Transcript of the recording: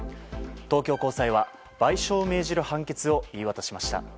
東京高裁は賠償を命じる判決を言い渡しました。